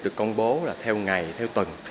được công bố là theo ngày theo tuần